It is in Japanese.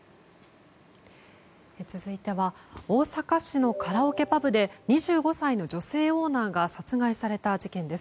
続いては大阪市のカラオケパブで２５歳の女性オーナーが殺害された事件です。